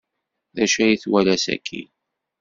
D acu ay twala sakkin?